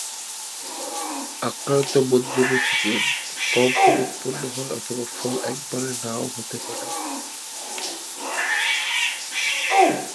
আক্রান্ত মঞ্জরি থেকে কম ফল উৎপন্ন হয় অথবা ফল একেবারে নাও হতে পারে।